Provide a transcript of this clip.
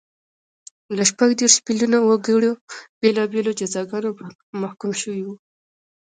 له شپږ دېرش میلیونه وګړي بېلابېلو جزاګانو محکوم شوي وو